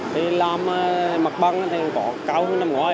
thì làm mặt bằng thì có cao hơn năm ngoái